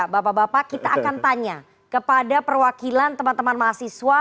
bapak bapak kita akan tanya kepada perwakilan teman teman mahasiswa